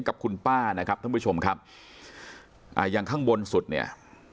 กับคุณป้านะครับท่านผู้ชมครับอ่าอย่างข้างบนสุดเนี่ย